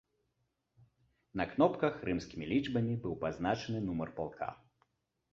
На кнопках рымскімі лічбамі быў пазначаны нумар палка.